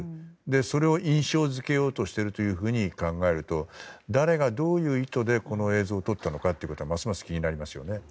それを印象付けようとしているというふうに考えますと、誰がどういう意図でこの映像を撮ったのかがますます気になりますよね。